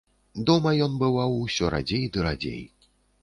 Дома ён бываў усё радзей ды радзей.